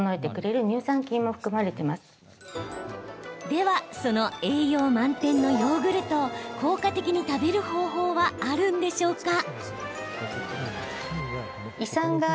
ではその栄養満点のヨーグルトを効果的に食べる方法はあるんでしょうか。